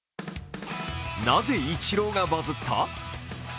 なぜイチローがバズった？